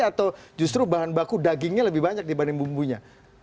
atau justru bahan baku dagingnya lebih banyak dibanding bumbunya